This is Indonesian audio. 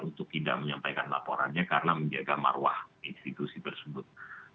untuk tidak menyampaikan laporannya karena menjaga marwah institusi tersebut